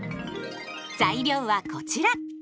材料はこちら。